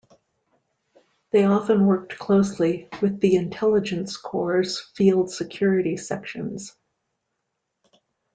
They often worked closely with the Intelligence Corps' Field Security sections.